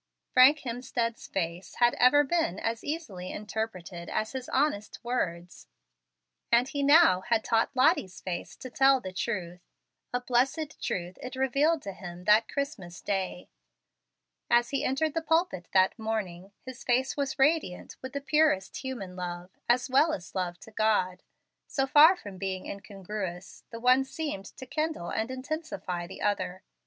Frank Hemstead's face had ever been as easily interpreted as his honest words; and he now had taught Lottie's face to tell the truth. A blessed truth it revealed to him that Christmas day. As he entered the pulpit that morning his face was radiant with the purest human love, as well as love to God. So far from being incongruous, the one seemed to kindle and intensify the other.